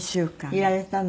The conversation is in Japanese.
いられたの？